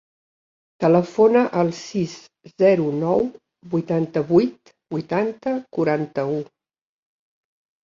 Telefona al sis, zero, nou, vuitanta-vuit, vuitanta, quaranta-u.